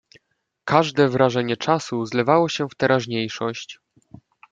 "Każde wrażenie czasu zlewało się w teraźniejszość."